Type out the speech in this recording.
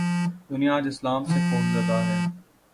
: دنیا آج اسلام سے خوف زدہ ہے۔